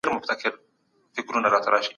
د یادښت سره پرتله کول ګټور وي.